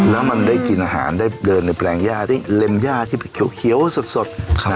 แล้วมันได้กินอาหารได้เดินในแปลงย่าได้เล็มย่าที่เป็นเขียวสด